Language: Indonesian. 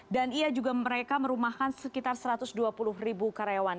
ia juga mereka merumahkan sekitar satu ratus dua puluh ribu karyawan